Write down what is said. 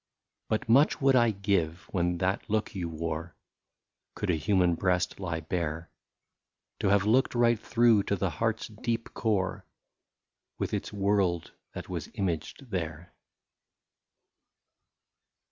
But much would I give, when that look you wore, — Could a human breast lie bare — To have look'd right through to the heart's deep core, With its world that was imaged there.